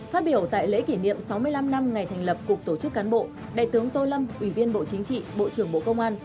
phát biểu tại lễ kỷ niệm sáu mươi năm năm ngày thành lập cục tổ chức cán bộ đại tướng tô lâm ủy viên bộ chính trị bộ trưởng bộ công an